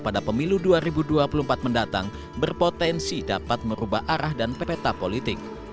pada pemilu dua ribu dua puluh empat mendatang berpotensi dapat merubah arah dan pepeta politik